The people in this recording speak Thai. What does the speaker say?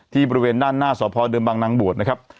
บริเวณด้านหน้าสพเดิมบางนางบวชนะครับ